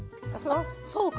あっそうか。